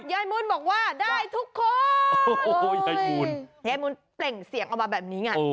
ยายมูลบอกว่าได้ทุกคนยายมูลเปล่งเสียงออกมาแบบนี้